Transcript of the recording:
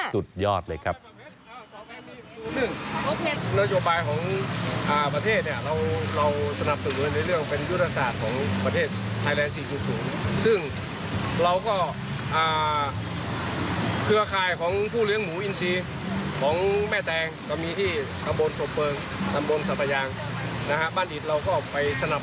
สุดยอดเลยครับ